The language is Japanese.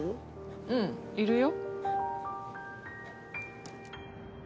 うんいるよ。